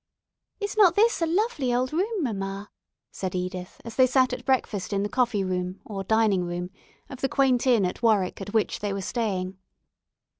"Is not this a lovely old room, mamma?" said Edith, as they sat at breakfast in the coffee room, or dining room, of the quaint inn at Warwick at which they were staying.